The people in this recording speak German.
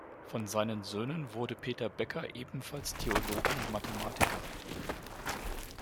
Von seinen Söhnen wurde Peter Becker ebenfalls Theologe und Mathematiker.